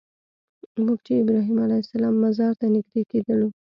موږ چې ابراهیم علیه السلام مزار ته نږدې کېدلو.